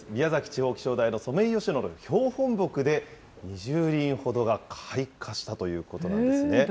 地方気象台のソメイヨシノの標本木で、２０輪ほどが開花したということなんですね。